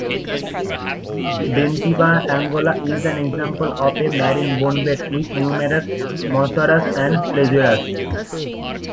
Bentiaba, Angola, is an example of a marine bonebed with numerous mosasaurs and plesiosaurs.